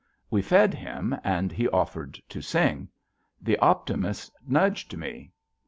We fed him, and he offered to sing. The Optimist nudged me.